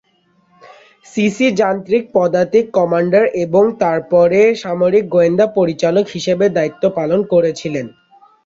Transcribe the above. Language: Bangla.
সিসি যান্ত্রিক পদাতিক কমান্ডার এবং তারপরে সামরিক গোয়েন্দা পরিচালক হিসাবে দায়িত্ব পালন করেছিলেন।